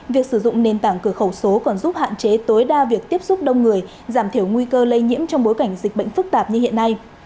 việc sử dụng nền tảng cửa khẩu số còn giúp hạn chế tối đa việc tiếp xúc đông người giảm thiểu nguy cơ lây nhiễm trong bối cảnh dịch bệnh phức tạp như hiện nay